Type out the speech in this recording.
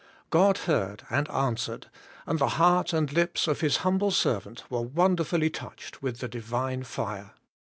God heard and answered, and the heart and lips of His humble servant were wonderfully touched with the divine fire.